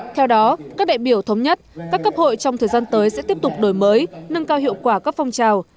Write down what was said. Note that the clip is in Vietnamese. theo đó các đại biểu thống nhất các cấp hội trong thời gian tới sẽ tiếp tục đổi mới nâng cao hiệu quả các phong trào